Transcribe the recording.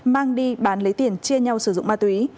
mang đi bán lấy tiền chia nhau sử dụng ma túy